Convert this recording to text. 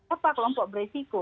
apa kelompok beresiko